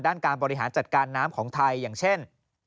การบริหารจัดการน้ำของไทยอย่างเช่น